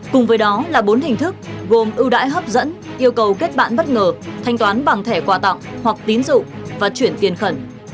cùng với đó là bốn hình thức gồm ưu đãi hấp dẫn yêu cầu kết bạn bất ngờ thanh toán bằng thẻ quà tặng hoặc tín dụ và chuyển tiền khẩn